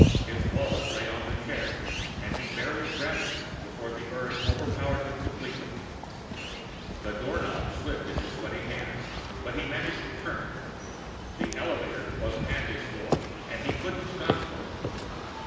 His wallet lay on the chair, and he barely grabbed it before the urge overpowered him completely. The doorknob slipped in his sweating hands, but he managed to turn it. The elevator wasn't at his floor, and he couldn't stop for it.